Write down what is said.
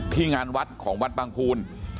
ที่งานวัดของวัดปางพูน